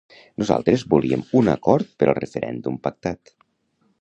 Nosaltres volíem un acord per al referèndum pactat.